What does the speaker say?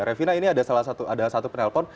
revina ini ada satu penelpon